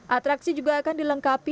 atraksi juga akan dilengkapi